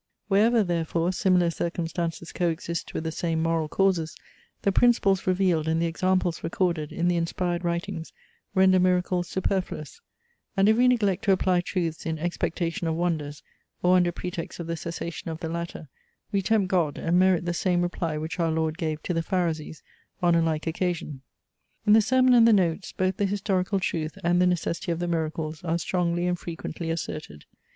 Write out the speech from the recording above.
"Wherever, therefore, similar circumstances co exist with the same moral causes, the principles revealed, and the examples recorded, in the inspired writings, render miracles superfluous: and if we neglect to apply truths in expectation of wonders, or under pretext of the cessation of the latter, we tempt God, and merit the same reply which our Lord gave to the Pharisees on a like occasion." In the sermon and the notes both the historical truth and the necessity of the miracles are strongly and frequently asserted.